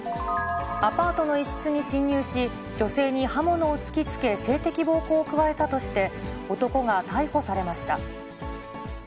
アパートの一室に侵入し、女性に刃物を突きつけ、性的暴行を加えたとして、男が逮捕されました。